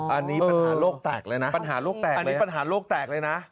อันนี้ปัญหาโลกแตกเลยนะ